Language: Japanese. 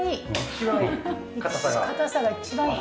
硬さが一番いい。